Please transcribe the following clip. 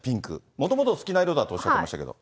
もともとお好きな色とおっしゃってましたけど。